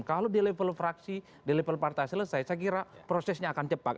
kalau di level fraksi di level partai selesai saya kira prosesnya akan cepat